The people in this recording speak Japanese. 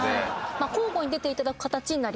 まあ交互に出ていただく形になりますね。